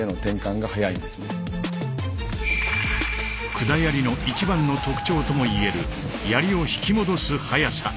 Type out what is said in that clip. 管槍の一番の特徴とも言える槍を引き戻す速さ。